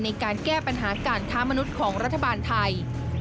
ในการแก้ปัญหาการค้ามนุษย์ของรัฐบาลไทย